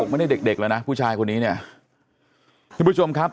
ไม่ได้เด็กเด็กแล้วนะผู้ชายคนนี้เนี่ยทุกผู้ชมครับ